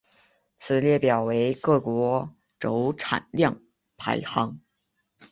此列表为各国铀产量排行。